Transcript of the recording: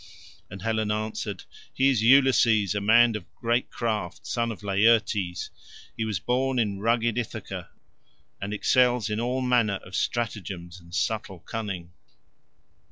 And Helen answered, "He is Ulysses, a man of great craft, son of Laertes. He was born in rugged Ithaca, and excels in all manner of stratagems and subtle cunning."